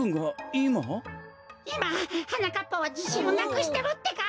いまはなかっぱはじしんをなくしてるってか！